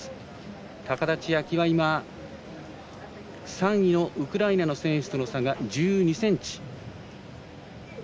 高田千明、３位のウクライナの選手との差が１２ｃｍ。